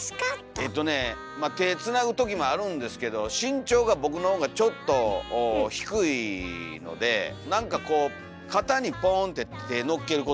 えとねまあ手つなぐときもあるんですけど身長が僕のほうがちょっと低いのでなんかこう肩にポンって手のっけることが多いですね。